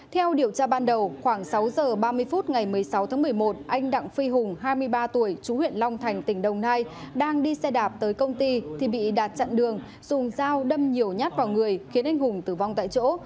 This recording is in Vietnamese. theo điều tra ban đầu khoảng sáu giờ ba mươi phút ngày một mươi sáu tháng một mươi một anh đặng phi hùng hai mươi ba tuổi chú huyện long thành tỉnh đồng nai đang đi xe đạp tới công ty thì bị đạt chặn đường dùng dao đâm nhiều nhát vào người khiến anh hùng tử vong tại chỗ